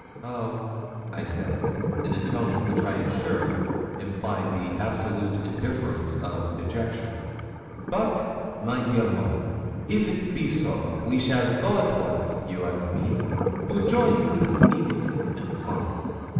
'Oh!' I said, in a tone which I am sure implied the absolute indifference of dejection. 'But, my dear Maud, if't be so, we shall go at once, you and me, to join Meess Millicent in France.